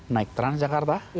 naik trana jakarta